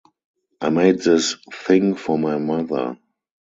I made this thing for my mother.